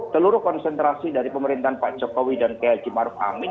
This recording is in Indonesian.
seluruh konsentrasi dari pemerintahan pak jokowi dan kj maruf amin